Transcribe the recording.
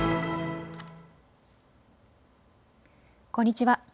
こんにちは。